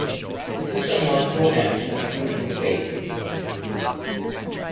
The system was programmed in two different ways.